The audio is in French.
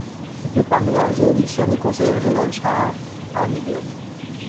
Il dépend de la juridiction du Conseil Régional Sha'ar HaNeguev.